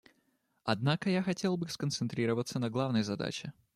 Однако я хотел бы сконцентрироваться на главной задаче.